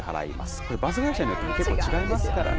これ、バス会社によっても結構違いますからね。